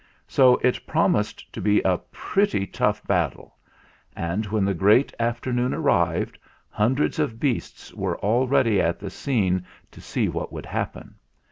So it promised to be a pretty tough battle; and when the great afternoon arrived, hundreds of beasts were already on the scene to see what should happen.